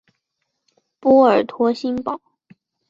波尔托新堡。